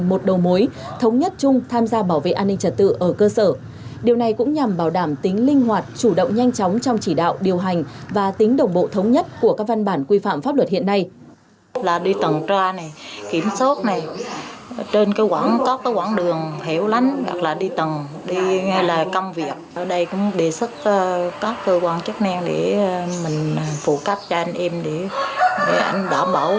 ở đây cũng đề xuất các cơ quan chức năng để mình phụ cấp cho anh em để anh đảm bảo với cái dời dắt để mà anh tầng cho kiểm soát